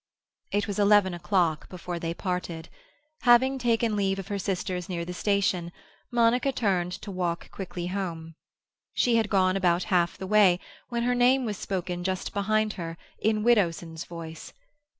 It was eleven o'clock before they parted. Having taken leave of her sisters near the station, Monica turned to walk quickly home. She had gone about half the way, when her name was spoken just behind her, in Widdowson's voice.